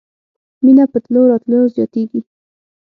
مینه په تلو راتلو زیاتیږي